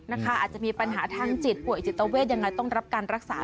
อาจจะมีปัญหาทางจิตป่วยจิตเวทยังไงต้องรับการรักษา